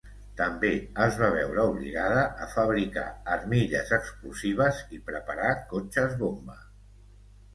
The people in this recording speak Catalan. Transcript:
També es va veure obligada a fabricar armilles explosives i preparar cotxes bomba.